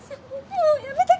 もうやめて！